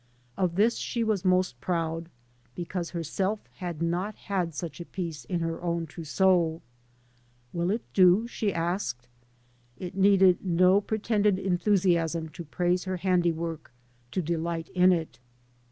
Of this she was most proud, because she her self had not had such a piece in her own trousseau. " Will it do? " she asked. It needed no pretended enthusiasm to praise her handi work, to delight in it.